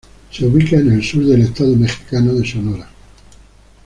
Se ubica en el sur del estado mexicano de Sonora.